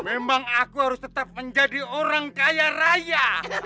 memang aku harus tetap menjadi orang kaya raya